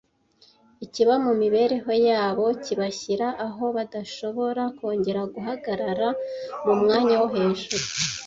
ikiba mu mibereho yabo kibashyira aho badashobora kongera guhagarara mu mwanya wo hejuru.